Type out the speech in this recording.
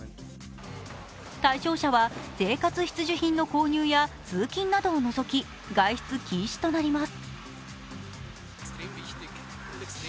対象者は生活必需品の購入や通勤などを除き外出禁止となります。